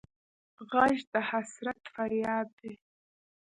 غږ د حسرت فریاد دی